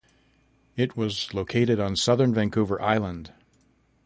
It was located on southern Vancouver Island.